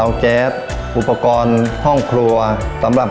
ทางโรงเรียนยังได้จัดซื้อหม้อหุงข้าวขนาด๑๐ลิตร